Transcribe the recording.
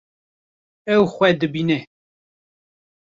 Ew xwe dibîne.